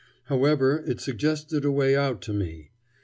However, it suggested a way out to me.